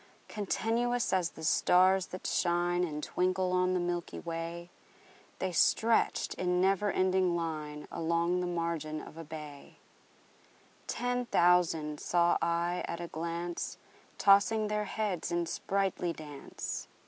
Continuous as the stars that shine And twinkle on the milky way, The stretched in never ending line Along the margin of a bay: Ten thousand saw I at a glance, Tossing their heads in sprightly dance.